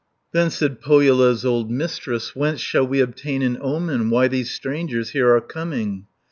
560 Then said Pohjola's old Mistress, "Whence shall we obtain an omen Why these strangers here are coming?